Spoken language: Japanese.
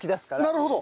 なるほど。